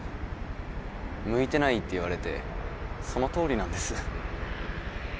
向いてないって言われてそのとおりなんです。